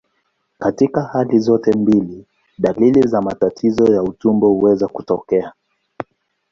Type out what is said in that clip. Katika hali zote mbili, dalili za matatizo ya utumbo huweza kutokea.